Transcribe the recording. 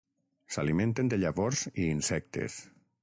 S'alimenten de llavors i insectes.